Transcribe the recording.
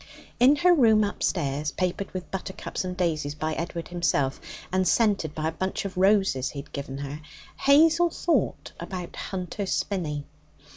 In her room upstairs, papered with buttercups and daisies by Edward himself, and scented by a bunch of roses he had given her, Hazel thought about Hunter's Spinney.